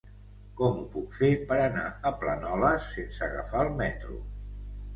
Com ho puc fer per anar a Planoles sense agafar el metro?